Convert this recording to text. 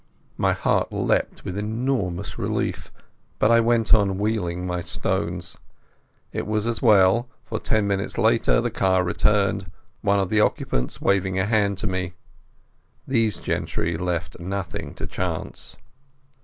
My heart leaped with an enormous relief, but I went on wheeling my stones. It was as well, for ten minutes later the car returned, one of the occupants waving a hand to me. Those gentry left nothing to chance.